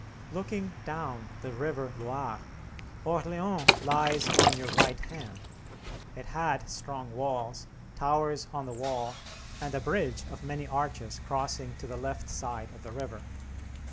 Looking down the river Loire, Orleans lies on your right hand. It had strong walls, towers on the wall, and a bridge of many arches crossing to the left side of the river.